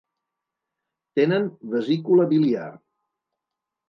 Tenen vesícula biliar.